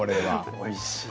おいしい。